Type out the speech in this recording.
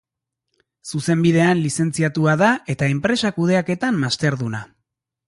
Zuzenbidean lizentziatua da eta Enpresa Kudeaketan masterduna.